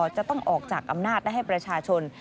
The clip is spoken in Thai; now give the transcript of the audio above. จะต้องออกจากอำนาจและให้ประชาชน